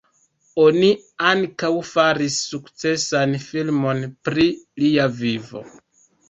Oni ankaŭ faris sukcesan filmon pri lia vivo.